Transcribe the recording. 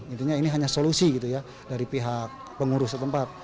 intinya ini hanya solusi dari pihak pengurus setempat